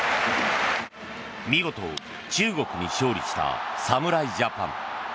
見事、中国に勝利した侍ジャパン。